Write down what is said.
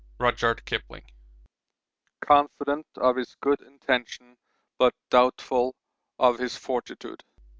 RUDYARD KIPLING. Confident of his good intentions but doubtful of his fortitude.